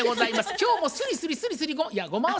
今日もすりすりすりすりゴマを。